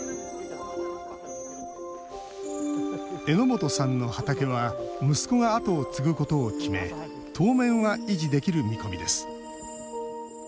榎本さんの畑は息子が後を継ぐことを決め当面は維持できる見込みです。